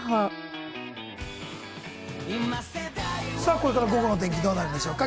これから午後の天気どうなるでしょうか？